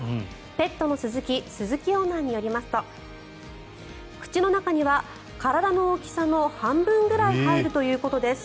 ペットのすずき鈴木オーナーによりますと口の中には体の大きさの半分くらい入るということです。